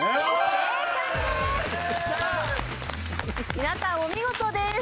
皆さんお見事です。